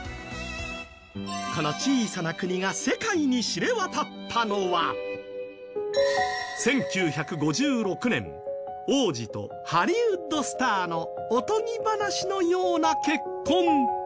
この小さな国が世界に知れ渡ったのは１９５６年王子とハリウッドスターのおとぎ話のような結婚。